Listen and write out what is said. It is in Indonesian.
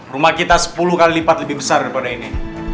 rumah kita sepuluh kali lipat lebih besar daripada ini